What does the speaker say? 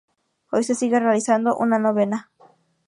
Hoy se sigue realizando una Novena.